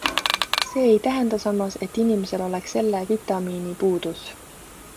See ei tähenda samas, et inimesel oleks selle vitamiini puudus.